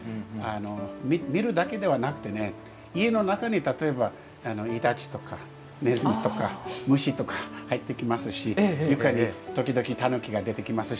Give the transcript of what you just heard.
見るだけではなくてね家の中に例えばイタチとかネズミとか虫とか入ってきますし床に時々タヌキが出てきますし。